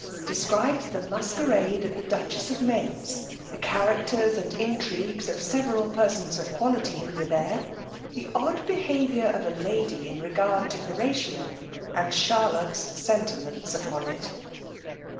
_Describes the masquerade at the dutchess of Main's; the characters and intrigues of several persons of quality who were there; the odd behaviour of a lady in regard to Horatio, and Charlotta's sentiments upon it_.